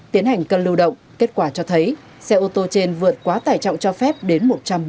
tiến hành cân lưu động kết quả cho thấy xe ô tô trên vượt quá tải trọng cho phép đến một trăm bốn mươi